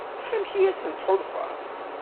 Amek i asen-tḥulfaḍ?